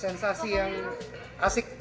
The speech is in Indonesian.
sensasi yang asik